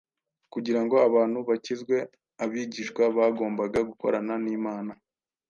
Kugira ngo abantu bakizwe abigishwa bagombaga gukorana n’Imana